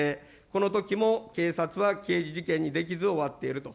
このときも、警察は刑事事件にできず、終わっていると。